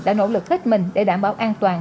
đã nỗ lực hết mình để đảm bảo an toàn